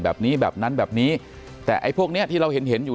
แบบนี้แบบนั้นแบบนี้แต่ไอ้พวกเนี้ยที่เราเห็นเห็นอยู่